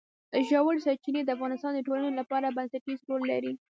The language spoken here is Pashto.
ژورې سرچینې د افغانستان د ټولنې لپاره بنسټيز رول لري.